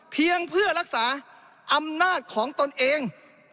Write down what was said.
เพียงเพื่อรักษาอำนาจของตนเอง